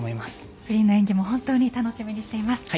フリーの演技も楽しみにしています。